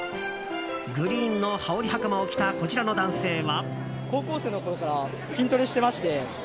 グリーンの羽織りはかまを着たこちらの男性は。